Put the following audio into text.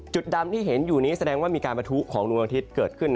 ดำที่เห็นอยู่นี้แสดงว่ามีการประทุของดวงอาทิตย์เกิดขึ้น